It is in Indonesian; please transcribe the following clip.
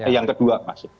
yang kedua mas